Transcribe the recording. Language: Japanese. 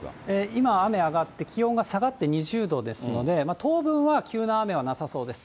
今、雨上がって、気温が下がって２０度ですので、当分は急な雨はなさそうです。